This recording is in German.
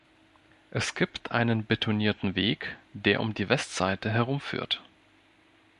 Es gibt einen betonierten Weg, der um die Westseite herumführt.